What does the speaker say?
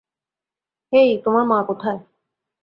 হেই, তোমার মা কোথায়?